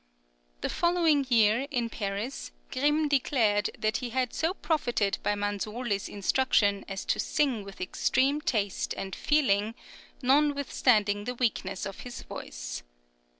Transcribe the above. The following year, in Paris, Grimm declared that he had so profited by Manzuoli's instruction as to sing with extreme taste and feeling, notwithstanding the weakness of his voice.